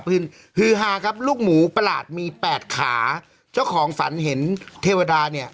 ฮือฮาครับลูกหมูประหลาดมีแปดขาเจ้าของฝันเห็นเทวดาเนี่ย